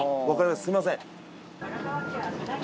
すみません。